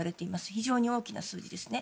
非常に大きな数字ですね。